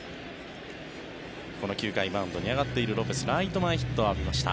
この９回マウンドに上がっているロペスライト前ヒットを浴びました。